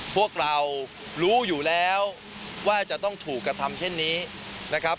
พวกเรารู้อยู่แล้วว่าจะต้องถูกกระทำเช่นนี้นะครับ